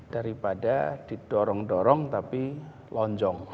daripada didorong dorong tapi lonjong